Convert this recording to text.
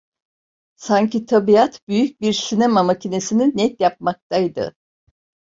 Sanki tabiat büyük bir sinema makinesini net yapmaktaydı…